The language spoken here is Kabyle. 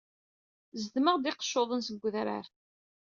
Zedmeɣ-d iqeccuḍen seg wedrar.